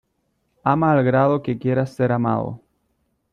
Ama al grado que quieras ser amado.